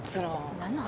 何の話？